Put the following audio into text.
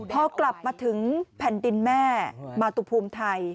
พอกลับมาถึงแผ่นดินแม่มาตุภูมิไทย